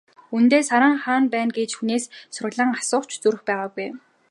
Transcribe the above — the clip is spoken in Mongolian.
Үнэндээ, Саран хаана байна гэж хүнээс сураглан асуух ч зүрх байгаагүй.